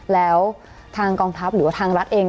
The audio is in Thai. แล้วทางกองทัพหรือว่าทางรัฐเอง